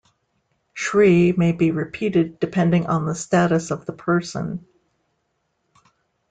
"Shri" may be repeated depending on the status of the person.